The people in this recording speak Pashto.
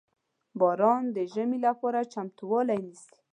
• باران د ژمي لپاره چمتووالی نیسي.